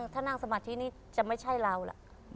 ถ้านั่งสมาธินี่จะไม่ใช่เราล่ะ